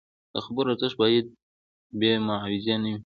د خبرو ارزښت باید بې معاوضې نه وي.